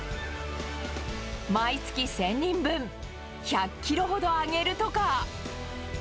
毎月１０００人分、１００キロほど揚げるとか。